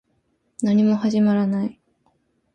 何も始まらない